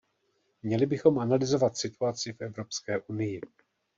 Měli bychom analyzovat situaci v Evropské unii.